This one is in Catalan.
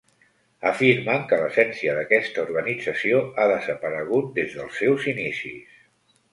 Afirmen que l'essència d'aquesta organització ha desaparegut des dels seus inicis.